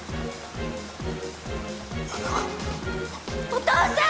お父さん！